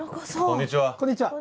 こんにちは。